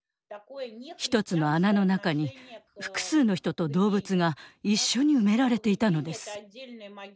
一つの穴の中に複数の人と動物が一緒に埋められていたのです。